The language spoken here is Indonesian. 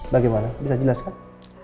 bagaimana bisa jelaskan